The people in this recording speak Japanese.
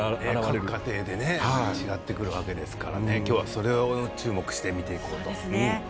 各ご家庭で違うわけですから今日は、それを注目して見ていこうと。